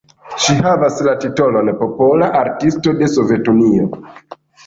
Ŝi havas la titolon "Popola Artisto de Sovetunio".